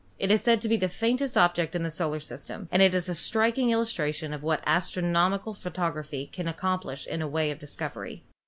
It is said to be the faintest object in the solar system, and is a striking illustration of what astronomical photography can accomplish in the way of discovery.